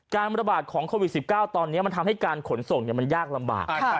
ระบาดของโควิด๑๙ตอนนี้มันทำให้การขนส่งมันยากลำบาก